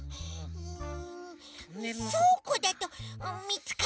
うん。